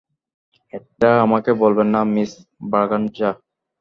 এটা আমাকে বলবেন না মিস ব্রাগানজা।